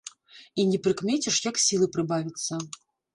І не прыкмеціш, як сілы прыбавіцца.